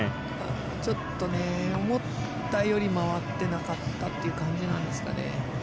ちょっと、思ったより回ってなかったという感じなんですかね。